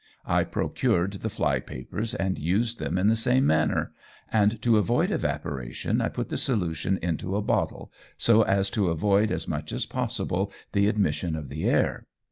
I procured the flypapers and used them in the same manner, and to avoid evaporation I put the solution into a bottle so as to avoid as much as possible the admission of the air.